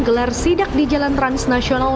gelar sidak di jalan transnasional